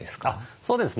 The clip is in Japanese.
そうですね。